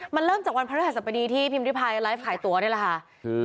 มันเริ่มจากวันพระฤหัสบดีที่พิมพิพายไลฟ์ขายตัวนี่แหละค่ะ